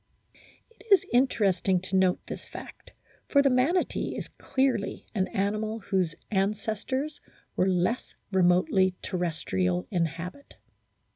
It is interesting to note this fact, for the Manatee is clearly an animal whose ancestors were less re motely terrestrial in habit.